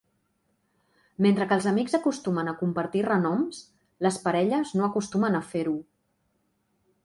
Mentre que els amics acostumen a compartir renoms, les parelles no acostumen a fer-ho.